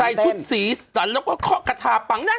ใส่ชุดสีศรัตนแล้วก็เกือบกระทะปังนั่น